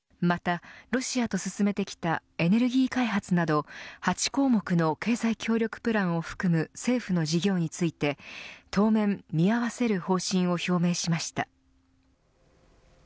またロシアと進めてきたエネルギー開発など８項目の経済協力プランを含む政府の事業について当面見合わせる方針を表明しました。